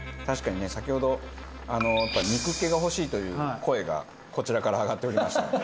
確かにね先ほど肉っ気が欲しいという声がこちらから上がっておりました。